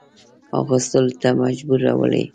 اغوستلو ته مجبورولې.